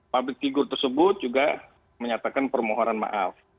public figure tersebut juga menyatakan permohonan maaf